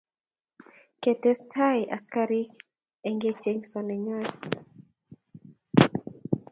Kietestai askarik eng kechengso nenywan